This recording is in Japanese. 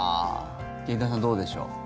劇団さん、どうでしょう。